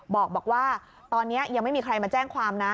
บอกบอกว่าตอนเนี่ยมัยดีมาแจ้งความนะ